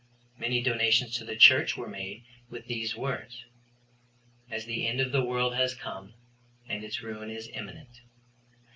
Many donations to the churches were made with these words: "As the end of the world has come, and its ruin is imminent."